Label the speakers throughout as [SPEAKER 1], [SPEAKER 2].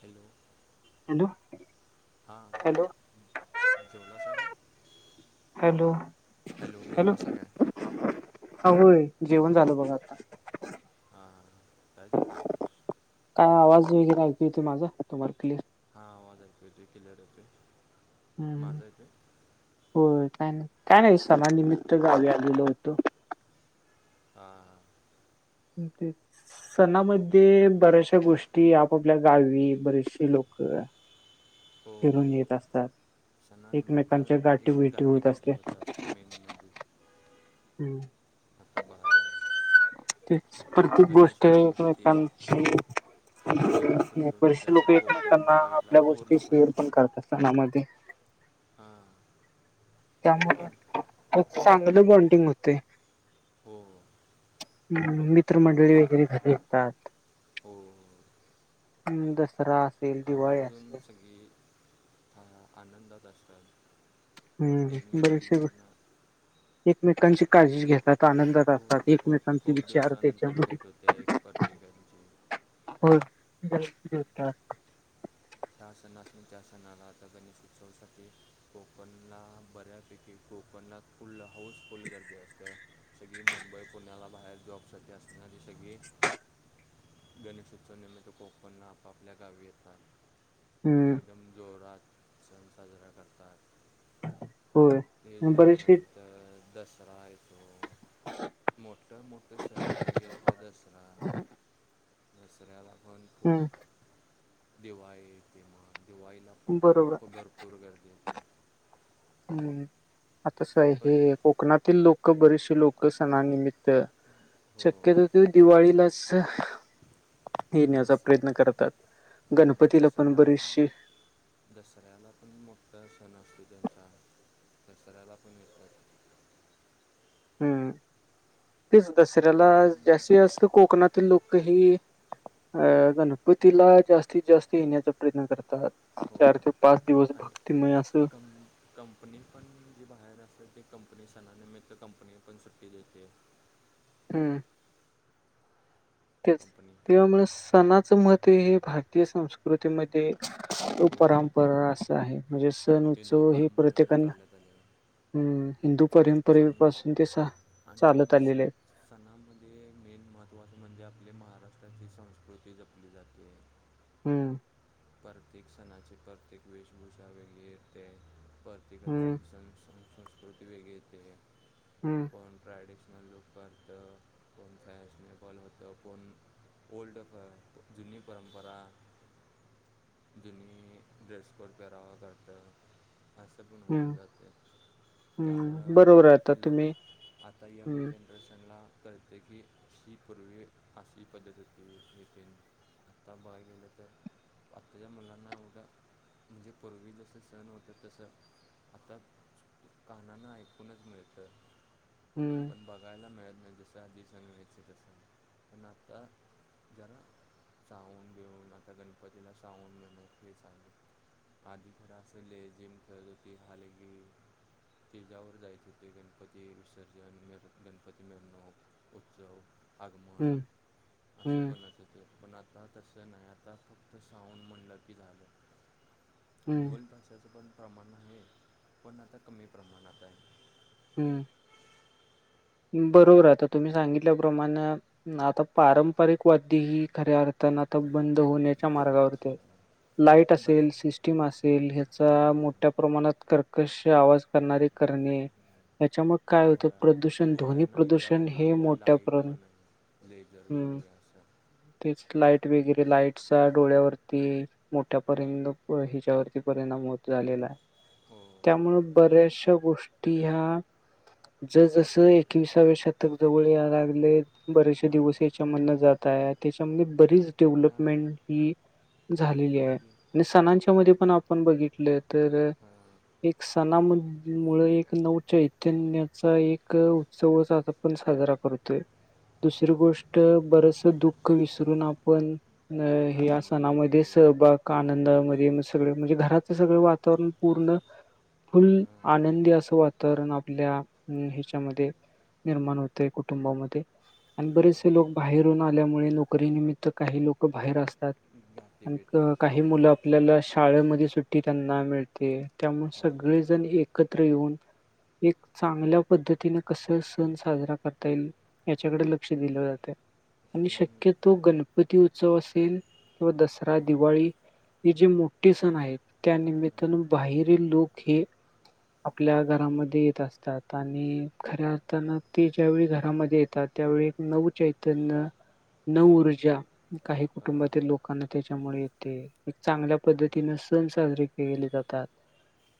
[SPEAKER 1] Hello.
[SPEAKER 2] Hello.
[SPEAKER 1] हां,
[SPEAKER 2] hello
[SPEAKER 1] जेवलासा काय.
[SPEAKER 2] हॅलो
[SPEAKER 1] हॅलो जेवलास काय.
[SPEAKER 2] हा होय जेवण झालं बघा आता.
[SPEAKER 1] हा काय चालय.
[SPEAKER 2] काय आवाज वगैरे ऐकू येतोय, माझा तुम्हाला प्लीज.
[SPEAKER 1] हा आवाज ऐकू येतोय क्लिअर येतोय.
[SPEAKER 2] हम्म
[SPEAKER 1] माझा येतोय
[SPEAKER 2] होय काय नाही, काय नाही सणानिमित्त गावी आलो होतो.
[SPEAKER 1] हां.
[SPEAKER 2] तेच. सणामध्ये बऱ्याशा गोष्टी, आपापल्या गावी बरीशी लोकं.
[SPEAKER 1] हो
[SPEAKER 2] फिरून येत असतात,
[SPEAKER 1] सणानिमित्त
[SPEAKER 2] एकमेकांच्या गाठी
[SPEAKER 1] एक
[SPEAKER 2] भेटी होतं असत्यात.
[SPEAKER 1] होतात मेन म्हणजे
[SPEAKER 2] हम्म.
[SPEAKER 1] [unintelligible]
[SPEAKER 2] तेच
[SPEAKER 1] आता
[SPEAKER 2] प्रत्येक
[SPEAKER 1] गणेश
[SPEAKER 2] गोष्ट
[SPEAKER 1] उत्सवासाठी
[SPEAKER 2] एकमेकांची.
[SPEAKER 1] गणेश उत्सवासाठी
[SPEAKER 2] बरचसे लोक
[SPEAKER 1] असं कोकण
[SPEAKER 2] एकमेकांना
[SPEAKER 1] साईडला
[SPEAKER 2] आपल्या गोष्टी
[SPEAKER 1] पूर्णपणे
[SPEAKER 2] शेअर पण करतात सणांमध्ये.
[SPEAKER 1] हां.
[SPEAKER 2] त्यामुळं
[SPEAKER 1] कोकण
[SPEAKER 2] एक चांगलं बॉन्डिंग होते.
[SPEAKER 1] हो.
[SPEAKER 2] मित्रमंडळी
[SPEAKER 1] अच्छा
[SPEAKER 2] वगैरे घरी येतात.
[SPEAKER 1] हो.
[SPEAKER 2] हम दसरा. असेल, दिवाळी
[SPEAKER 1] आवर्जून
[SPEAKER 2] असेल.
[SPEAKER 1] सगळी हा हा आनंदात असतात‌
[SPEAKER 2] हम्म
[SPEAKER 1] एक
[SPEAKER 2] बरेचशे
[SPEAKER 1] मेकांन
[SPEAKER 2] गोष्टी
[SPEAKER 1] ना.
[SPEAKER 2] एकमेकांची काळजी घेतात आनंदात असतात एकमेकांचे विचार त्याच्यामुळे.
[SPEAKER 1] त्या्या एक परत्रिकची.
[SPEAKER 2] हो बग.
[SPEAKER 1] चारश नाचन चारश ना आलाचागणीसशे चौसष्ट. कोकणना बऱ्यापैकी कोकणला फुल हाऊसफुल गर्दी असते. सगळी मुंबई पुण्याला बाहेर जॉबसाठी असणारी सगळी. गणेश उत्सवानिमित्त आपापल्या गावी येतात.
[SPEAKER 2] हम्म
[SPEAKER 1] एकदम जोरात सन साजरा करतात.
[SPEAKER 2] होय
[SPEAKER 1] हे
[SPEAKER 2] बरेचसे
[SPEAKER 1] झाल्यानंतर दसरा येतो.
[SPEAKER 2] ह.
[SPEAKER 1] मोठं मोठं सण बगायला गैल टर दसरा. दसऱ्याला पण खूप
[SPEAKER 2] हम्म
[SPEAKER 1] मग दिवाळी दिवाळी येटे दिवाळीला आप ख
[SPEAKER 2] बरोबर
[SPEAKER 1] को भरपूर करदी ते.
[SPEAKER 2] हम्म आतास
[SPEAKER 1] परत
[SPEAKER 2] हे कोकणातील लोक बरेचशी लोक सणानिमित् तर
[SPEAKER 1] हो
[SPEAKER 2] शक्यत त दिवाळीलाच.
[SPEAKER 1] आणि
[SPEAKER 2] येण्याचा
[SPEAKER 1] दस
[SPEAKER 2] प्रयत्न करतात
[SPEAKER 1] हां
[SPEAKER 2] गणपतीला पण
[SPEAKER 1] दसरा
[SPEAKER 2] बरीचशी.
[SPEAKER 1] दसऱ्याला पण मोठा सण अस त्यांचा दसऱ्याला पण येतात.
[SPEAKER 2] हम्म तेच दसऱ्याला
[SPEAKER 1] पण
[SPEAKER 2] जास्ती जास्त कोकणातील लोक. ही अ गणपतीला जास्तीत जास्त येण्याचा प्रयत्न करतात.
[SPEAKER 1] हो
[SPEAKER 2] चार ते पाच दिवस
[SPEAKER 1] आणि
[SPEAKER 2] भक्तीमय असं.
[SPEAKER 1] कं कंपनी पण जी बाहेर असल ती कंपनी सणाने मीत्य कंपनी पण सुट्टी देते.
[SPEAKER 2] हम्.
[SPEAKER 1] कंपनी
[SPEAKER 2] ट्याव्मुळे सणाचं महत्त्व हे भारतीय संस्कृतीमध्ये. तो
[SPEAKER 1] हो
[SPEAKER 2] परंपरा असा आहे म्हजे सण
[SPEAKER 1] हिंदू
[SPEAKER 2] उत्सव हे
[SPEAKER 1] परंपरेने
[SPEAKER 2] प्रत्येकन
[SPEAKER 1] चालत आले
[SPEAKER 2] हम्म हिंदू परंपरे
[SPEAKER 1] सं
[SPEAKER 2] पासून ते चालत आलेले आहेत.
[SPEAKER 1] सणाांमध्ये मेन महत्त्वाचें म्हणजे आपली महाराष्ट्राची संस्कृती जपली जाते.
[SPEAKER 2] हम्म.
[SPEAKER 1] प्रत्येक सणाची वेशभूषा प्रत्येकाची वेगळी येते प्रत्येक
[SPEAKER 2] हम्म
[SPEAKER 1] सन समारंभ. संस्कृती वेगळी येते आहे.
[SPEAKER 2] हम्म.
[SPEAKER 1] कोण ट्रॅडिशनल लुक करतं कोण फॅशने बल होतं कोण. ओल्ड जुनी परंपरा. दुन ्रेसप कवा करत. हस्त पण
[SPEAKER 2] हम्म
[SPEAKER 1] होऊन जाते
[SPEAKER 2] हम्म बरोबर आहे आता
[SPEAKER 1] त्यामुळं लो
[SPEAKER 2] तुम्ही
[SPEAKER 1] आता यंग
[SPEAKER 2] हम्म
[SPEAKER 1] जन. दर्शनला कळते की ही पूर्वी अशी पद्धत होती येठे. आत्ता बघायला गेले तर. आत्ताच्या मुलांना एवडं म्हणजे पूर्वी जसं सण होतं तसं आता. कानान ऐकूनच मिळतं.
[SPEAKER 2] हम्म.
[SPEAKER 1] बघायला मिळत नाही जसं आधीच होतं तसं. पण आता जरा जाऊन देऊन जरा आता गणपती. जला सगून म नाही प्चां. आधिक क्लासले जिम खेलती के. स्टेजवर जायचे हो ते गणपती विसर्जन मि गणपती मिरणूक. उत्चव. आगमन
[SPEAKER 2] हम्म
[SPEAKER 1] असं
[SPEAKER 2] हम्म
[SPEAKER 1] [inaudible] पण आता तसं नाही आता, आता साऊंड म्हणलं की झालं
[SPEAKER 2] हम्म
[SPEAKER 1] ढोल ताश [inaudible] प्रमाण आहे पण आता कमी प्रमाणात आहे.
[SPEAKER 2] हम्म बरोबर आहं आता तुम्ही सांगितल्याप्रमाणे म्ह आता पारंपरिक वाद्ये ही खऱ्या अर्थ तेण आत्ता बंद होण्याच्या
[SPEAKER 1] अं, पण
[SPEAKER 2] मार्गावरती आहे लाईट असेल
[SPEAKER 1] बऱ्याच
[SPEAKER 2] सिस टीम असेल ह्याचा
[SPEAKER 1] हां
[SPEAKER 2] मोठ्या प्रमाणात कर्कश आवाज
[SPEAKER 1] हवा
[SPEAKER 2] करणारे करणे, त्याच्यामुळं काय होतं
[SPEAKER 1] डोळ्या
[SPEAKER 2] प्रदूषण, ध्वनी
[SPEAKER 1] डोळ्यांना इजा
[SPEAKER 2] प्रदूषण हे
[SPEAKER 1] होणारे
[SPEAKER 2] मोठ्या
[SPEAKER 1] लाईट
[SPEAKER 2] प्रण
[SPEAKER 1] पण आहे लेझर
[SPEAKER 2] -हम,
[SPEAKER 1] वगैरे असं
[SPEAKER 2] तेच लाईट वगैरे लाईटसचा डोळ्यावरती, मोठ्यापर्यंत हिच्यावरती परिणाम होत झालेला आहे.
[SPEAKER 1] हो
[SPEAKER 2] त्यामुळं बऱ्याशा गोष्टी ह्या जसजस ए शतक जवळ याय लागलंय बरेचसे
[SPEAKER 1] हां
[SPEAKER 2] दिवस याच्या मधन जात आहं त्याच्यामध्ये बरीच,
[SPEAKER 1] त्या
[SPEAKER 2] डेव्हलपमेंट ही झालेली आहं.
[SPEAKER 1] आधी
[SPEAKER 2] आणि सणांच्या मध्ये पण आपण बघितलं तर,
[SPEAKER 1] हां
[SPEAKER 2] एक सणामधमुळं एक नऊ चैतन्याचा एक,
[SPEAKER 1] आत-
[SPEAKER 2] सव्वासाहप्पन साजरा करतोय. दुसरी गोष्ट बरसच दुःख विसरून आपण. अ हे
[SPEAKER 1] आनंदामध्ये
[SPEAKER 2] सणामध्ये सहभाग
[SPEAKER 1] हिरावून
[SPEAKER 2] आनंदामध्ये
[SPEAKER 1] जातो
[SPEAKER 2] म सगळं म्हणजे घराच सगळं वा तर पूर्ण फुल
[SPEAKER 1] हां
[SPEAKER 2] आनंदी असं वातावरण आपल्या ह्याच्यामध्ये, निर्माण होतय कुटुंबामध्ये आणि
[SPEAKER 1] हां
[SPEAKER 2] बरेचसे लोक, बाहेरून आल्यामुळे नोकरीनिमित्त काही लोक बाहेर असतात
[SPEAKER 1] गाठी
[SPEAKER 2] अण
[SPEAKER 1] बेटी पो
[SPEAKER 2] काही मुलं, आपल्याला शाळेमध्ये सुट्टी त्यांना मिळते त्यामुळे
[SPEAKER 1] हो
[SPEAKER 2] सगळेजण एकत्र येऊन, एक चांगल्या पद्धतीन, कस सण साजरा करता येईल याच्याकडे लक्ष दिलं जातंय. आणि
[SPEAKER 1] हे
[SPEAKER 2] शक्यतो गणपती उत्सव असेल किंवा दसरा,
[SPEAKER 1] हां
[SPEAKER 2] दिवाळी, हे जे मोठे सण आहेत त्या
[SPEAKER 1] हां
[SPEAKER 2] निमित्तानं बाहेरील लोक हे, आपल्या घरामध्ये येत असतात आणि, खऱ्या अर्थानं ते ज्यावेळी घरामध्ये येतात त्यावेळी एक नव चैतन्य, नव ऊर्जा काही
[SPEAKER 1] हां
[SPEAKER 2] कुटुंबातील लोकांना त्याच्यामुळे येते. एक चांगल्या
[SPEAKER 1] हो
[SPEAKER 2] पद्धतीनें सण साजरे केले जातात.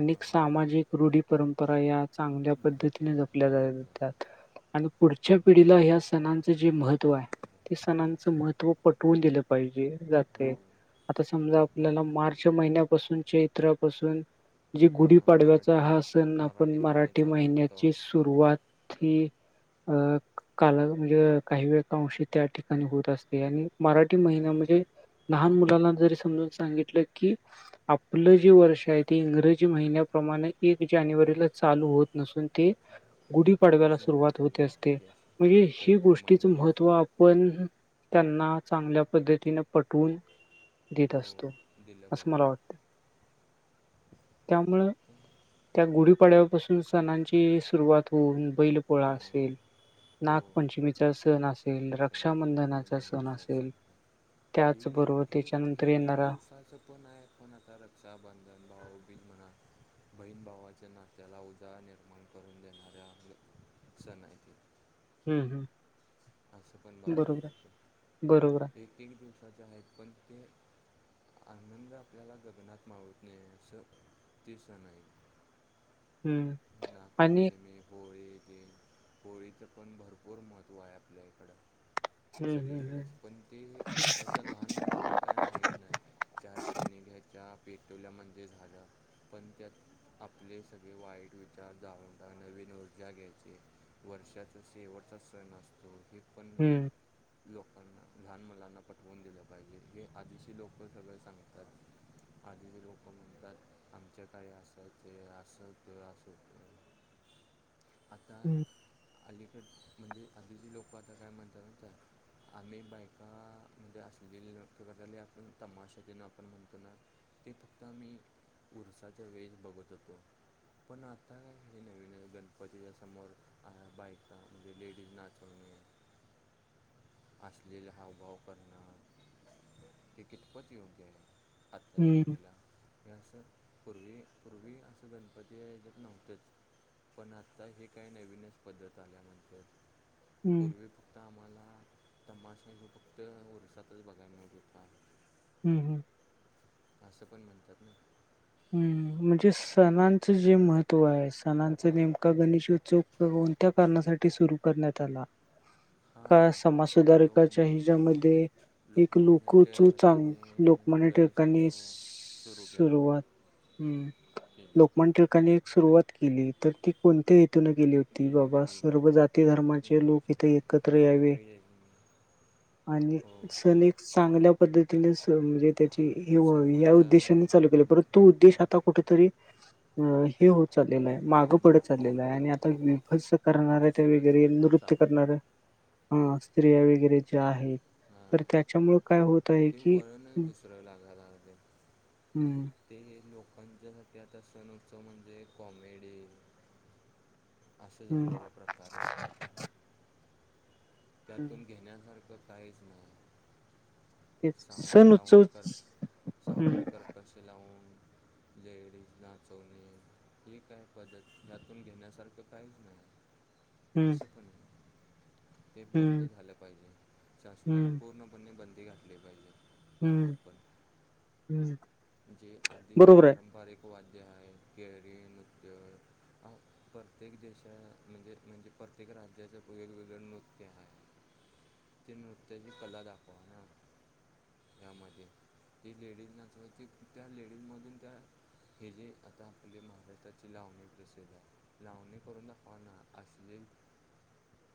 [SPEAKER 2] अनेक
[SPEAKER 1] हां
[SPEAKER 2] सामाजिक रूढी परंपरा या चांगल्या पद्धतीने जपल्या
[SPEAKER 1] जपलं जपलं
[SPEAKER 2] जातात. आणि पुढच्या पिढीला ह्या सणांचं जे महत्त्व आहे. ते सणांच
[SPEAKER 1] हे
[SPEAKER 2] महत्त्व पटवून दिलं पाहिजे
[SPEAKER 1] हो
[SPEAKER 2] जातंय. आता समजा
[SPEAKER 1] आता
[SPEAKER 2] आपल्याला मार्च महिन्यापासून चैत्रापासून, जे
[SPEAKER 1] हां
[SPEAKER 2] गुढीपाडव्याचा हा
[SPEAKER 1] मराठीवर
[SPEAKER 2] सण आपण
[SPEAKER 1] महिने
[SPEAKER 2] मराठी
[SPEAKER 1] चालू होते तेव्हा
[SPEAKER 2] महिन्याची सुरुवात ही, अ क काल म्हणजे काही वेळकांशी त्या ठिकाणी होत असते आणि मराठी महिना
[SPEAKER 1] हो
[SPEAKER 2] म्हणजे, लहान मुलांना जरी समजावून सांगितलं की, आपलं
[SPEAKER 1] हां
[SPEAKER 2] जे वर्ष आहे ते इंग्रजी महिन्याप्रमाणे एक जानेवारीला चालू होत नसून ते, गुढीपाडवायाला
[SPEAKER 1] उशिरा
[SPEAKER 2] सुरुवात
[SPEAKER 1] चालू
[SPEAKER 2] होतं असते
[SPEAKER 1] होते असे
[SPEAKER 2] म्हणजे हे
[SPEAKER 1] चैत्र
[SPEAKER 2] गोष्टीचं महत्व
[SPEAKER 1] महिन्यापासून
[SPEAKER 2] आ पण त्यांना चांगल्या पद्धतीनं पटवून, देत असतो
[SPEAKER 1] हो दिलं
[SPEAKER 2] असं मला
[SPEAKER 1] पाहिजे
[SPEAKER 2] वाटतंय. त्यामुळं त्या गुढीपाडव्यापासून सणांची, सुरुवात होऊन बैल पोळा
[SPEAKER 1] हां
[SPEAKER 2] असेल
[SPEAKER 1] हो
[SPEAKER 2] नागपंचमीचा सण असेल, रक्षाबंधनाचा सण असेल,
[SPEAKER 1] माणसासाठी एक दिव
[SPEAKER 2] त्याचबरोबर
[SPEAKER 1] हे हे
[SPEAKER 2] त्याच्यानंतर
[SPEAKER 1] एक
[SPEAKER 2] येणारा
[SPEAKER 1] दिवसाचं पण आहे, पण आता रक्षाबंधन भाऊबीज म्हणा बहीण भावाच्या नात्याला उजाळा निर्माण करून देणार आपलं सण हायत.
[SPEAKER 2] हम्म.
[SPEAKER 1] असं पण बघायला
[SPEAKER 2] बरोबर
[SPEAKER 1] गेलं तर,
[SPEAKER 2] आहे बरोबर
[SPEAKER 1] ते दिड दिवसाचे आहेत पण ते आनंद आपल्याला गगनात मावत नाही असं, ते सण हायत.
[SPEAKER 2] आहे हम्म आणि
[SPEAKER 1] नागपंचमी होळी ते, होळीचं पण भरपूर महत्त्व आय आपल्या इकडं.
[SPEAKER 2] हम्म हम्म
[SPEAKER 1] सगळीकडच, पण ते आताच्या लहान मुलांना काय माहीत नाही. चार शेणी घ्यायच्या पेटवल्या म्हणजे झालं. पण त्यात, आपले सगळे वाईट विचार जाळून नवीन ऊर्जा घ्यायची, वर्षाचा शेवटचा सण असतो हो, ते पण
[SPEAKER 2] हम्म
[SPEAKER 1] लोकांना, लहान मुलांना पठवून दिलं पाहिजे हे आधीची लोकं सगळं सांगतात. आधीची लोकं म्हणतात, आमच्या काळी अऊस ते असं होतं, असं हो. आता
[SPEAKER 2] हम्म
[SPEAKER 1] अलीकड म्हणजे, आधीची लोकं आता काय म्हणत्यात माहित हाय आम्ही बायका, म्हणजे असशली लोकं गजाली तमाशा ते न आपण म्हणतोना ते फक्त आम्ही, उरसाच्या वेळीच बघत होतो. पण आता, हे नवीन गण पतीच्या समोर, बायका म्हणजे लेडीज नाचवने. अश्लील हाव भाव करणं. हे कितपत योग्य आहे आत्ताच्या
[SPEAKER 2] हम्म
[SPEAKER 1] पिढीला, हे असं पूर्वी, पूर्वी असं गणपती याच्यात नव्हतंच पण आत्ता ही काय नवीनच पद्धत आल्यानंतर,
[SPEAKER 2] हम्म
[SPEAKER 1] पूर्वी आता आम्हाला, तमाषा हो फक्त उरसातच बघायला मिळत हूता.
[SPEAKER 2] हम्म हम्म.
[SPEAKER 1] असं पण म्हणतात नाई.
[SPEAKER 2] हम्म, म्हणजे सणांचं जे महत्त्व आहे, सणांच नेमका गणेश उत्सव म्हणून त्या कारणासाठी सुरू करण्यात आला.
[SPEAKER 1] हं [inaudible]
[SPEAKER 2] का समाज सुधारकाच्या हिज्यामध्ये एक
[SPEAKER 1] लोकमान्य
[SPEAKER 2] लोकोत्सव चांग
[SPEAKER 1] टिळकाने
[SPEAKER 2] लोकमान्य टिळकांनी
[SPEAKER 1] गणेशोत्सव
[SPEAKER 2] सु
[SPEAKER 1] सुरू केला.
[SPEAKER 2] हम्म,
[SPEAKER 1] केले
[SPEAKER 2] लोकमान्य टिळकांनी एक सुरुवात केली तर ती कोणत्या हेतूनं केली होती,
[SPEAKER 1] केली
[SPEAKER 2] बाबा
[SPEAKER 1] ती
[SPEAKER 2] सर्व जाती धर्माचे लोक इथे एकत्र यावे आणि
[SPEAKER 1] हो
[SPEAKER 2] सण एक चांगल्या पद्धतीनेच म्हणजे त्याचि हे व्हावी, ह्या
[SPEAKER 1] सर्वांच्या
[SPEAKER 2] उद्देशाने चालू केलं, परत तो उद्देश आता कुठेतरी, अं हे होत चाललेलाय, मागं पडत चाललेला आहे, आणि
[SPEAKER 1] बद्दल
[SPEAKER 2] आता विभत्स करणारं हे ते वगैरे नृत्य करणारं
[SPEAKER 1] हं [inaudible]
[SPEAKER 2] हां, स्त्रीया वगैरे ज्या आहेत, तर त्याच्यामुळे काय होत आहे
[SPEAKER 1] हे
[SPEAKER 2] की
[SPEAKER 1] वळणच दुसरं लागाय लागलय.
[SPEAKER 2] अहमं.
[SPEAKER 1] ते हे लोकांच्यासाठी आता सणउत्सव म्हणजे कॉमेडी. अस झालेलं
[SPEAKER 2] हम्म
[SPEAKER 1] प्रकार होते. त्यांतून घेण्यासारखं काहीच नाही.
[SPEAKER 2] तेच
[SPEAKER 1] साऊंड
[SPEAKER 2] सण उत्सव
[SPEAKER 1] लावून कर, साऊंड
[SPEAKER 2] हम्म
[SPEAKER 1] करकर्श लावून. लेडीज नाचवणे. ही काय पद्धत यातून, घेण्यासारखं काहीच नाही. अस
[SPEAKER 2] हम्म
[SPEAKER 1] पण ये बंद
[SPEAKER 2] हम्म
[SPEAKER 1] झालं पाहिजे, शासनान
[SPEAKER 2] हम्म
[SPEAKER 1] पूर्ण पूर्ण बंदी घातली पाहिजे.
[SPEAKER 2] हम्म हम्म
[SPEAKER 1] [unintelligible] जे आधी जे
[SPEAKER 2] बरोबर आहे
[SPEAKER 1] पारंपारिक. वाद्य हाय, केरळी नृत्य. प्रत्येक देशा म्हणजे, म्हणजे प्रत्येक राज्याचं वेगवेगळं नृत्य आहे. त्या नृत्याची कला दाखवा ना. त्यांमध्ये लेडीज नाचवायचे त्या, लेडीज मधून त्या. हे जे आता आपले महाराष्ट्राची लावणी प्रसिद्ध हाय. लावणी करून दाखवा ना. अश्लील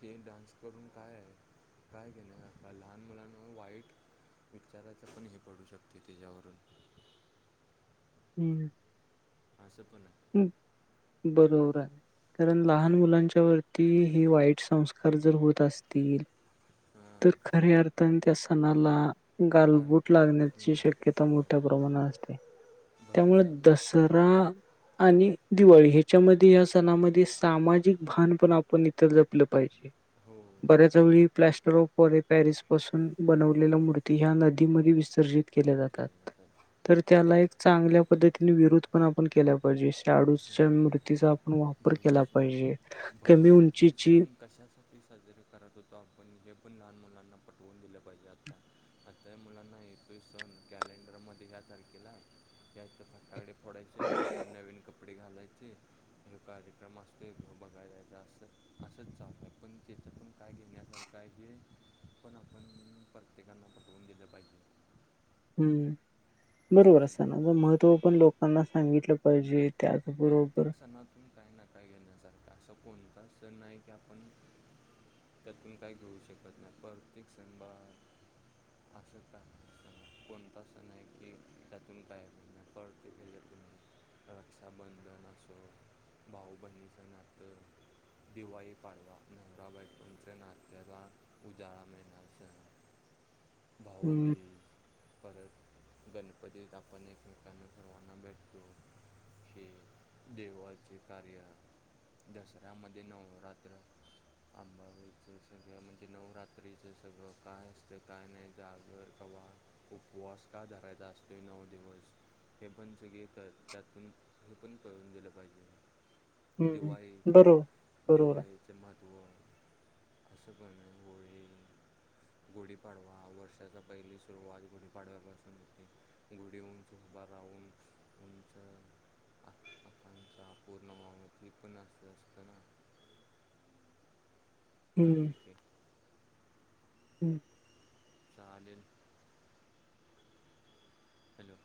[SPEAKER 1] हे डान्स करून काय हाय, काय केलंय आपल्या लहान मुलांनवर वाईट विचारयचं पण हे पडू शकते तेच्यावरून.
[SPEAKER 2] हम्म.
[SPEAKER 1] असं पण हाय.
[SPEAKER 2] हम बरोबर हाय. कारण लहान मुलांच्या वरती हे, वाईट संस्कार जर होत असतील. तर
[SPEAKER 1] हां
[SPEAKER 2] खऱ्या अर्थाने त्या सणाला. गालबोट
[SPEAKER 1] आर्ट
[SPEAKER 2] लागण्याची
[SPEAKER 1] मिळण्याची
[SPEAKER 2] शक्यता मोठ्या
[SPEAKER 1] आहे
[SPEAKER 2] प्रमाणात असते. त्यामुळे
[SPEAKER 1] भविष्यात ना
[SPEAKER 2] दसरा दरा. आणि दिवाळी हेच्यामध्ये, या सणामध्ये सामाजिक भान पण आपण इथं जपलं पाहिजे.
[SPEAKER 1] हो अजून
[SPEAKER 2] बऱ्याच वेळी प्लॅस्टर ऑफ पाॅली पॅरिस पासून बनवलेल्या मूर्ती ह्या नदीमध्ये विसर्जित केल्या जातात. तर त्याला एक चांगल्या पद्धतीने विरोध पण आपण केला पाहिजे,
[SPEAKER 1] हो
[SPEAKER 2] शाडूच्या मूर्तीचा वापर केला
[SPEAKER 1] भविष्य
[SPEAKER 2] पाहिजे, कमी उंचीची.
[SPEAKER 1] कशाच. ती साजरी करत होतो. आपण हे पण लहान मुलांना पटवून दिलं पाहिजे आता. आता मुलांना हे प स कॅलेंडरमध्ये [unintelligible] फटाके फोडायचे आपण नवीन कपडे घालायचे. कार्यक्रम असतोय ते, बघायला जायचं असं. असंच चालू हाय पण, तेच्यातून काय घेण्यासारखं हाय की. पण आपण प्रत्येकानं पटवून दिलं पाहिजे.
[SPEAKER 2] हंम
[SPEAKER 1] असं
[SPEAKER 2] बरोबर हाय,
[SPEAKER 1] पण आहे
[SPEAKER 2] सणांचं महत्त्व पण लोकांना सांगितलं पाहिजे. त्याचबरोबर
[SPEAKER 1] प्रत्येक सणातून काय ना काय घेण्यासारख आसं कोणताच सण नाय की आपण. त्यातून काय घेवू शकत नाही, प्रत्येक सणवार असं का. कोणताच सण नाही की त्यातून काय [unintelligible] रक्षाबंधन असो, भाऊ बहिणीचं नातं. दिवाळी पाडवा नवरा बायकोच्या नात्याला उजाळा मिळणार. सण
[SPEAKER 2] हम्म
[SPEAKER 1] भाऊबीज. परत गणपतीत आपण एकमेकांना सर्वांना भेटतो. हे देवाचे कार्य. दसऱ्यामध्ये नवरात्र् अंबाबाईचं सगळं म्हणजे नवरात्रीचे सगळं काय असतं काय नाय जागर उपवास कवा धरायचा असतो न व दिवस. हे पण सगळे त्यातून हे पण सगळं करून गेलं पाहिजे
[SPEAKER 2] हम्म
[SPEAKER 1] दिवाळी
[SPEAKER 2] बरोबर बरोबर आहे
[SPEAKER 1] दिवाळी. े माधवळ अस पण गळी गोडी [unintelligible] पाडवा वर्षाचा पहिली सुरुवात गुढी पाडव्यापासून होती गुढी उंच उभारून उंच. आ आपणता पूर्ण माम्री पणत असतना. [unintelligible] परफेक्ट आहे.
[SPEAKER 2] ह.
[SPEAKER 1] चालेलव हॅलो.